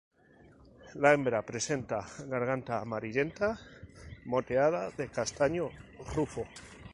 La hembra presenta garganta amarillenta moteada de castaño rufo.